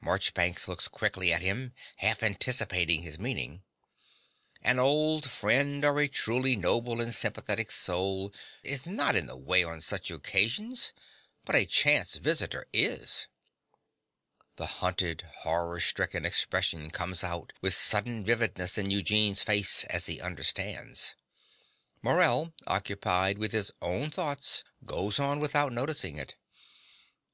(Marchbanks looks quickly at him, half anticipating his meaning.) An old friend or a truly noble and sympathetic soul is not in the way on such occasions; but a chance visitor is. (The hunted, horror stricken expression comes out with sudden vividness in Eugene's face as he understands. Morell, occupied with his own thought, goes on without noticing it.)